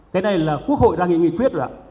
cái này là quốc hội đang nghĩ nghị quyết rồi ạ